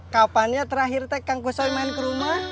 kapan ya terakhir teg kang kusoy main ke rumah